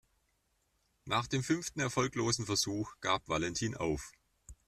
Nach dem fünften erfolglosen Versuch gab Valentin auf.